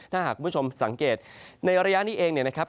ถ้าหากคุณผู้ชมสังเกตในระยะนี้เองเนี่ยนะครับ